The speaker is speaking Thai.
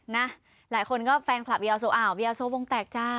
หลายคนก็แฟนคลับวิเอาโซ่วงแต่กจ้า